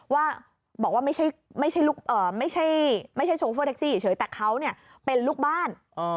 ว่าบอกว่าไม่ใช่โชเฟอร์แท็กซี่เฉยแต่เขาเป็นลูกบ้าน